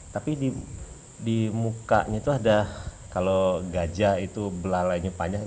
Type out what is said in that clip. tapi di mukanya itu ada kalau gajah itu belalainya panjang